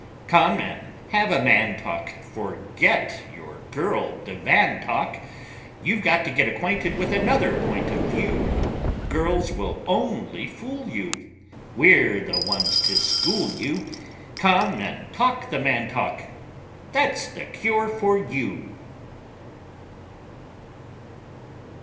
Come and have a man talk, Forget your girl divan talk; You've got to get acquainted with another point of view! Girls will only fool you; We're the ones to school you; Come and talk the man talk; that's the cure for you!